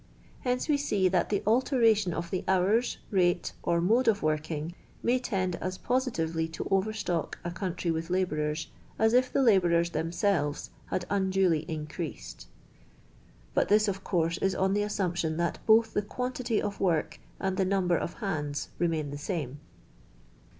Hence we see that the alteration of j the hours, rate, or mode of working may tend as I positively to overstock a country with labourers ! at if the labourers themselves had unduly in creased. But this, of course, is on the assumption that both the quantity of work and the number of hands remain the same.